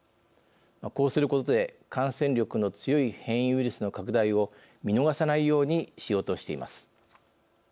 こうすることで感染力の強い変異ウイルスの拡大を見逃さないようにしようとしています。